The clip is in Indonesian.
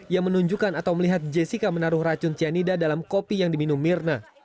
ia menunjukkan atau melihat jessica menaruh racun cyanida dalam kopi yang diminum mirna